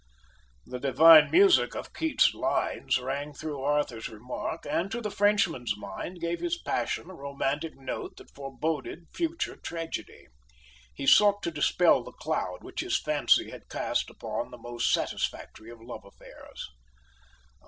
The divine music of Keats's lines rang through Arthur's remark, and to the Frenchman's mind gave his passion a romantic note that foreboded future tragedy. He sought to dispel the cloud which his fancy had cast upon the most satisfactory of love affairs.